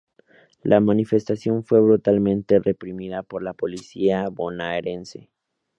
La manifestación fue brutalmente reprimida por la Policía Bonaerense.